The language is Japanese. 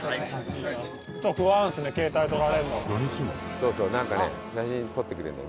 そうそうなんかね写真撮ってくれるのね